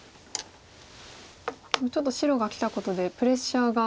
でもちょっと白がきたことでプレッシャーが。